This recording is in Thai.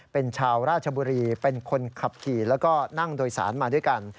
เป็นชาวราชบุรีเป็นคนขับขี่แล้วก็นั่งโดยสารมาด้วยกัน